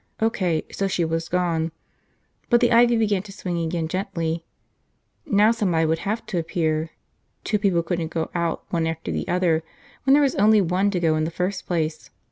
O.K., so she was gone. But the ivy began to swing again, gently. Now somebody would have to appear. Two people couldn't go out one after the other when there was only one to go in the first place.